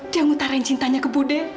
dia ngutarain cintanya ke budi